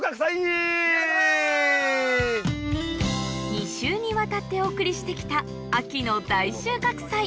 ２週にわたってお送りして来た秋の大収穫祭